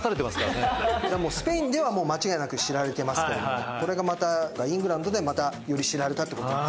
スペインでは間違いなく知られてますけれどもこれがまたイングランドでまたより知られたってこと。